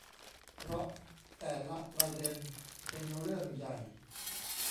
เพราะแต่ละประเด็นเป็นเรื่องใหญ่